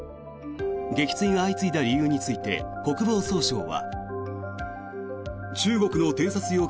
撃墜が相次いだ理由について国防総省は。